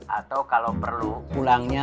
atau kalau perlu pulangnya